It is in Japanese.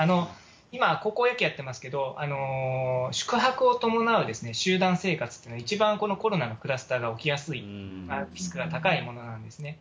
今、高校野球やってますけど、宿泊を伴う集団生活っていうのは、一番このコロナのクラスターが起きやすい、リスクが高いものなんですね。